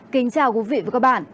kính chào quý vị và các bạn